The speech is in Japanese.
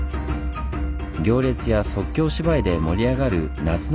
行列や即興芝居で盛り上がる夏の一大イベント